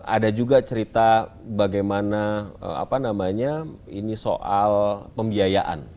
ada juga cerita bagaimana apa namanya ini soal pembiayaan